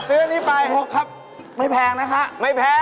อ่ะซื้ออันนี้ไป